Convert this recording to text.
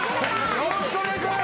よろしくお願いします。